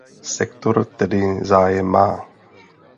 Sektor tedy zájem má.